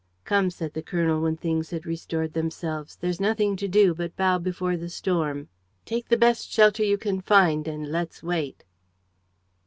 "Come," said the colonel, when things had restored themselves, "there's nothing to do but bow before the storm. Take the best shelter you can find; and let's wait."